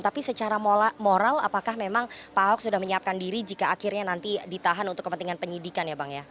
tapi secara moral apakah memang pak ahok sudah menyiapkan diri jika akhirnya nanti ditahan untuk kepentingan penyidikan ya bang ya